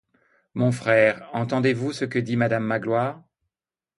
Mon frère, entendez-vous ce que dit madame Magloire?